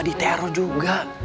ini teror juga